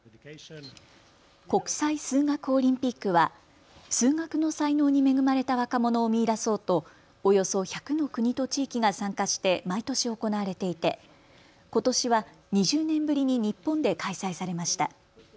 国際数学オリンピックは数学の才能に恵まれた若者を見いだそうとおよそ１００の国と地域が参加して毎年行われていてことしは２０年ぶりに日本で開催されました。